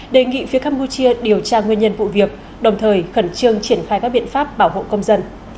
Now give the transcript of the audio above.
đề nghị phía campuchia điều tra nguyên nhân vụ việc đồng thời khẩn trương triển khai các biện pháp bảo hộ công dân